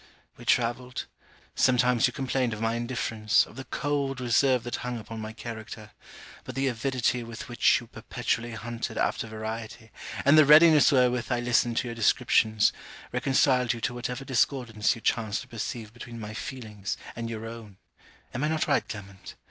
We travelled. Sometimes you complained of my indifference, of the cold reserve that hung upon my character; but the avidity with which you perpetually hunted after variety, and the readiness wherewith I listened to your descriptions, reconciled you to whatever discordance you chanced to perceive between my feelings and your own. Am I not right, Clement?